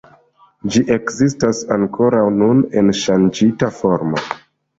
Ĝi ekzistas ankoraŭ nun en ŝanĝita formo.